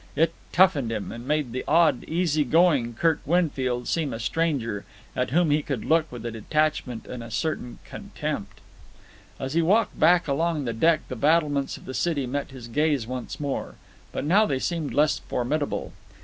It toughened him, and made the old, easy going Kirk Winfield seem a stranger at whom he could look with detachment and a certain contempt. As he walked back along the deck the battlements of the city met his gaze once more. But now they seemed less formidable.